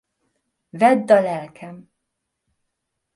Vedd a lelkem!